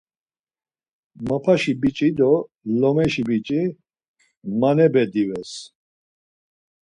Mapaşi biç̌i do lomeşi biç̌i manebe dives.